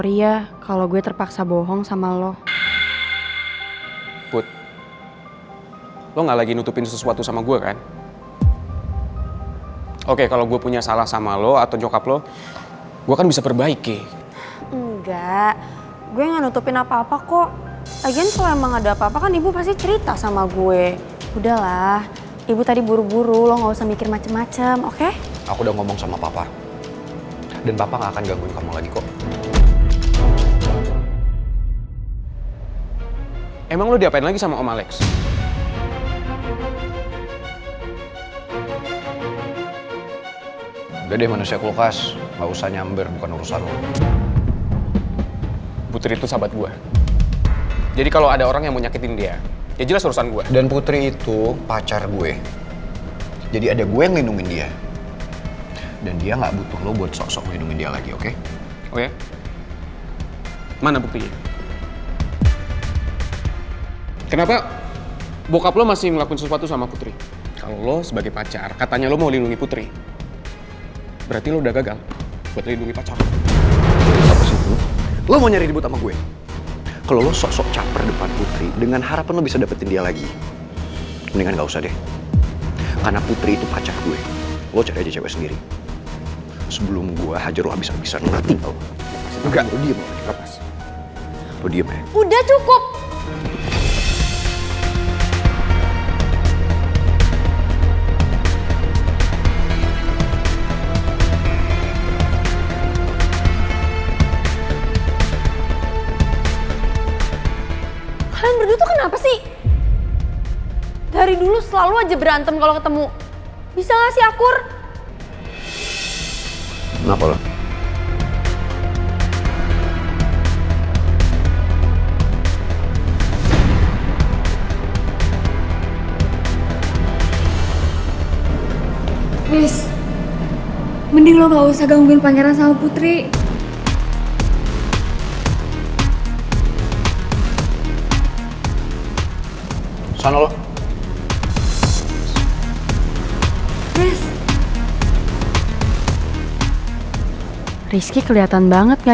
ya kalo emang lo gak percaya gue mau berubah